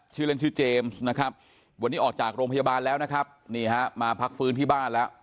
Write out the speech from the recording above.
ชื่อเรียนชื่อเจมส์วันนี้ออกจากโรงพยาบาลแล้วมาพักฟื้นที่บ้านแล้ว